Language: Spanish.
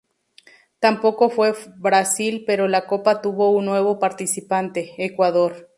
Tampoco fue Brasil pero la copa tuvo un nuevo participante: Ecuador.